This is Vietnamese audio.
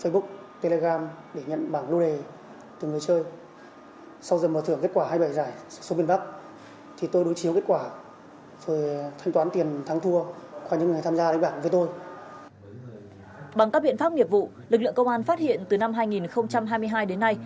bằng các biện pháp nghiệp vụ lực lượng công an phát hiện từ năm hai nghìn hai mươi hai đến nay